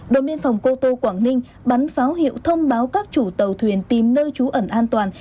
đồn biên phòng cô tô quảng ninh bắn pháo hiệu thông báo các chủ tàu thuyền tìm nơi trú ẩn an toàn